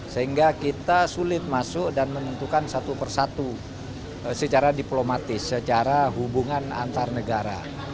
sehingga kita sulit masuk dan menentukan satu persatu secara diplomatis secara hubungan antar negara